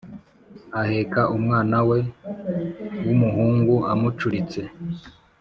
aheka umwana we wumuhungu amucuriste